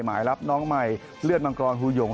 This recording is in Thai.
หมายรับน้องใหม่เลือดมังกรฮูหยง